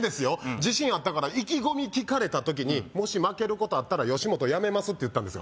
自信あったから意気込み聞かれた時に「もし負けることあったら吉本辞めます」って言ったんですよ